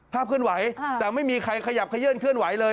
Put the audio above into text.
ภาพขึ้นไหวแต่ไม่มีใครขยับเคลื่อนเคลื่อนไหวเลย